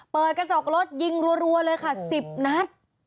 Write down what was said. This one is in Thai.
เปิดกระจกรถยิงรัวเลยค่ะ๑๐นัด